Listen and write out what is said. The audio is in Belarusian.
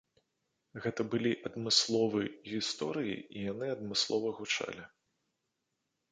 Гэта былі адмысловы гісторыі і яны адмыслова гучалі.